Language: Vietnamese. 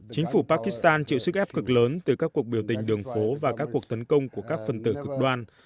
chính phủ pakistan chịu sức ép cực lớn từ các cuộc biểu tình đường phố và các cuộc tấn công của các phần tử cực đoan